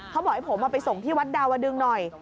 เขาบอกให้ผมไปส่งที่วัดดาวดึงหน่อย